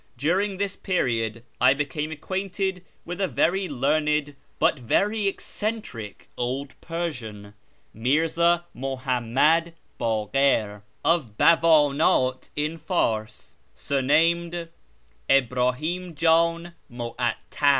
During this period I became acquainted with a very learned but very eccentric old Persian, Mirza Muhammad Bakir, of Bawanat in Ears, surnamed Ibrahim Jdn Mu attar.